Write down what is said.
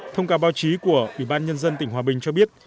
thông cáo báo chí của ủy ban nhân dân tỉnh hòa bình cho biết